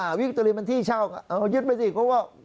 อ่าวิคโตเรียมันที่เช่าเอายึดไปสิเขาก็